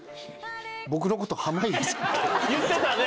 言ってたね